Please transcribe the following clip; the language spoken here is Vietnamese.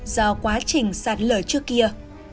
do quá trình sạt lở trước kia